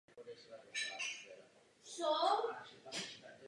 Mirnyj skončil v prvním a Hlaváčková ve druhém kole.